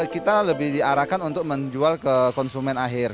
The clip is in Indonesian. kita lebih diarahkan untuk menjual ke konsumen akhir